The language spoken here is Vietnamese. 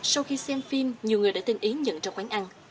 sau khi xem phim nhiều người đã tên ý nhận cho quán ăn